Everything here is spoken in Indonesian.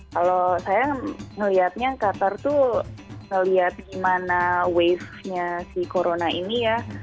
kalau saya melihatnya qatar tuh melihat gimana wavenya si corona ini ya